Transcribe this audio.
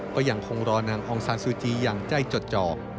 ก็ยังคงรอนางองซานซูจีอย่างใจจดจอก